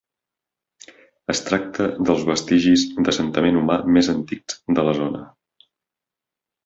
Es tracta dels vestigis d'assentament humà més antics de la zona.